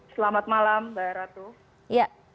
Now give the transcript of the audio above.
selamat malam mbak ratu